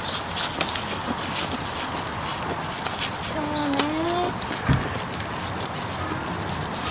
そうねえ。